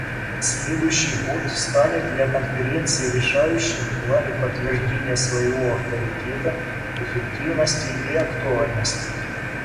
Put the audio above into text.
Следующий год станет для Конференции решающим в плане подтверждения своего авторитета, эффективности и актуальности.